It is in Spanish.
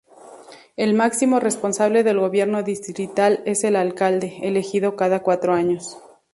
El máximo responsable del gobierno distrital es el alcalde, elegido cada cuatro años.